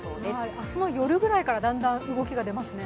明日の夜ぐらいから、だんだん動きが出ますね。